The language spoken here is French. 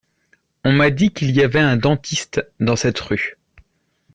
On m’a dit qu’il y avait un dentiste dans cette rue…